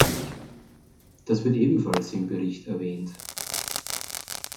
Das wird ebenfalls im Bericht erwähnt.